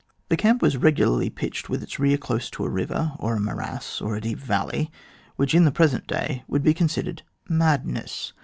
The camp was regularly pitched with its rear close to a river, or morass, or a deep valley, which in the present day would be considered madness.